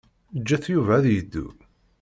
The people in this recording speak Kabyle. Ǧǧet Yuba ad yeddu.